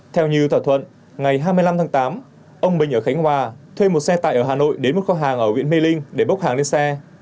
theo như thỏa thuận ngày hai mươi năm tháng tám ông bình ở khánh hòa thuê một xe tải ở hà nội đến một kho hàng ở huyện mê linh để bốc hàng lên xe